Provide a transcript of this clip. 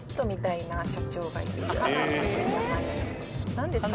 何ですか？